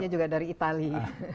mengambilnya juga dari itali